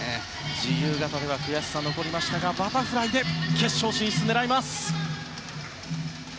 自由形では悔しさが残りましたがバタフライで決勝進出を狙います。